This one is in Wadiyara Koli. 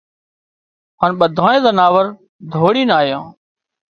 هانَ ٻڌانئي زناور ڌوڙينَ آيان